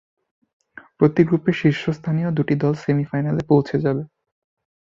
প্রতি গ্রুপের শীর্ষস্থানীয় দু’টি দল সেমি-ফাইনালে পৌঁছে যাবে।